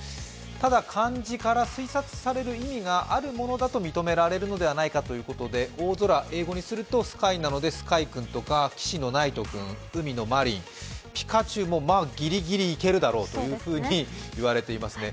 ただ、漢字から推察される意味があるものだと認められるのではないかということで、大空、英語にするとスカイなのですかい君とか、騎士のないと君ピカチュウもギリギリいけるだろうと言われていますね。